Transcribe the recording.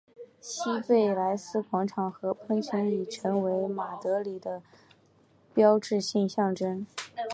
西贝莱斯广场和喷泉已成为马德里的标志性象征。